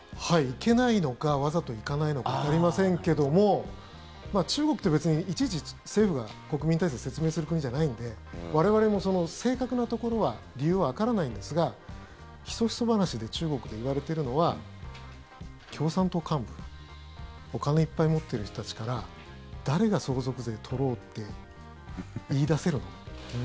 行けないのかわざと行かないのかわかりませんけども中国って別に、いちいち政府が国民に対して説明する国じゃないので我々も正確なところは理由はわからないんですがひそひそ話で中国で言われているのは共産党幹部お金いっぱい持ってる人たちから誰が相続税取ろうって言い出せるの？